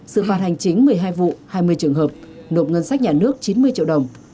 sự phạt hành chính một mươi hai vụ hai mươi trường hợp nộp ngân sách nhà nước chín mươi triệu đồng